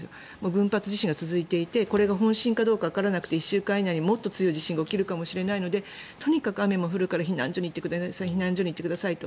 群発地震が続いていてこれが本震かどうかわからなくて１週間以内にもっと強い地震が起きるかもしれないので雨が降るかもしれないので避難所に避難してくださいと。